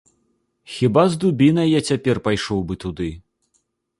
Хіба з дубінай я цяпер пайшоў бы туды.